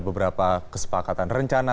beberapa kesepakatan rencana